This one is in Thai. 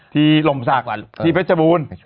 ที่ลมสัขที่เพจับูน